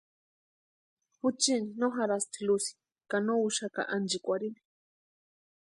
Juchini no jarhasti luz ka no úxaka ánchikwarhini.